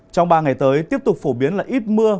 trong ba ngày tới tiếp tục phổ biến là ít mưa